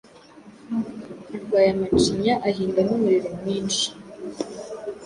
arwaye amacinya ahinda n’umuriro mwinshi